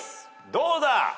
どうだ！？